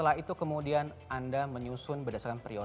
nah ini adalah jelas dari pemirsa kasusnya